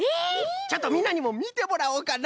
ちょっとみんなにもみてもらおうかの！